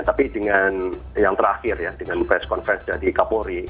tapi dengan yang terakhir ya dengan press conference dari kapolri